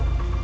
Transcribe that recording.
kamu di sini